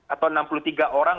atau enam puluh tiga orang